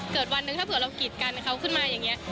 วันหนึ่งถ้าเผื่อเรากีดกันเขาขึ้นมาอย่างนี้